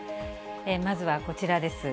まずはこちらです。